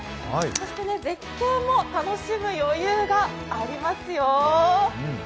そして絶景も楽しむ余裕がありますよ。